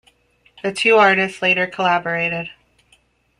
The two artists later collaborated.